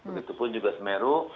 begitupun juga semeru